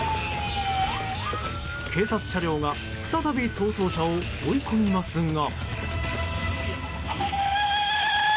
警察車両が再び逃走車を追い込みますが。